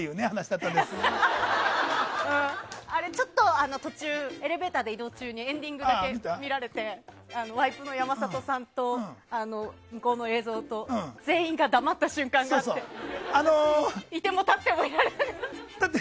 あれ、途中をエレベーターで移動中にエンディングだけ見られてワイプの山里さんと向こうの映像と全員が黙った瞬間があっていてもたってもいられなくなって。